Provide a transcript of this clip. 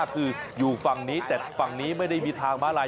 คืออยู่ฝั่งนี้แต่ฝั่งนี้ไม่ได้มีทางม้าลาย